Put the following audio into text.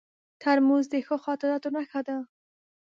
ترموز د ښو خاطرو نښه ده.